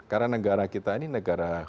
karena negara kita ini negara